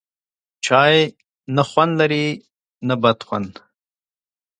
چای، نه خوند لري نه بد خوند